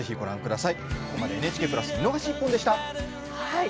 「ＮＨＫプラス見逃し１本」でした。